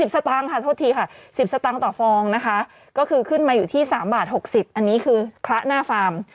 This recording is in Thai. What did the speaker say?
สตางค์ค่ะโทษทีค่ะ๑๐สตางค์ต่อฟองนะคะก็คือขึ้นมาอยู่ที่๓บาท๖๐อันนี้คือคละหน้าฟาร์ม